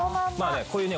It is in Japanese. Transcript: こういうね。